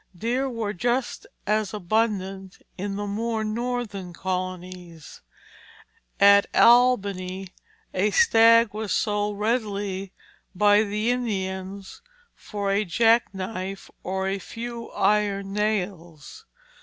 Deer were just as abundant in the more Northern colonies. At Albany a stag was sold readily by the Indians for a jack knife or a few iron nails.